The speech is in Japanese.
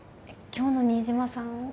今日の新島さん